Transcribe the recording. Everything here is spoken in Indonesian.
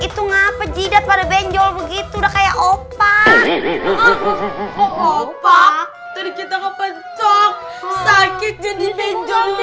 itu ngapa jidat pada benjol begitu udah kayak opak opak tadi kita kepencok sakit jadi benjol